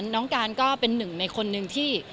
น้องการก็เป็นหนึ่งในคนหนึ่งที่